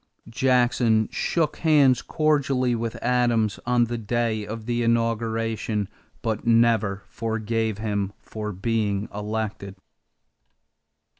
Jackson shook hands cordially with Adams on the day of the inauguration, but never forgave him for being elected.